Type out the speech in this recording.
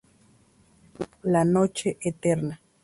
La noche eterna.